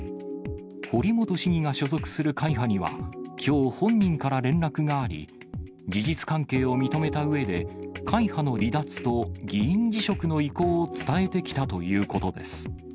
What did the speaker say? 堀本市議が所属する会派にはきょう、本人から連絡があり、事実関係を認めたうえで、会派の離脱と議員辞職の意向を伝えてきたということです。